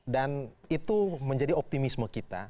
dan itu menjadi optimisme kita